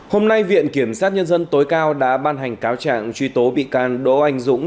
hôm nay viện kiểm sát nhân dân tối cao đã ban hành cáo trạng truy tố bị can đỗ anh dũng